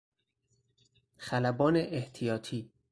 خلبان احتیاطی